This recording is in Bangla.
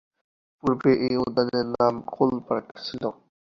পূর্বে এই উদ্যানের নাম কোল পার্ক ছিল।